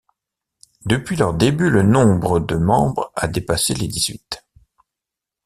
Depuis leurs débuts, le nombre de membres a dépassé les dix-huit.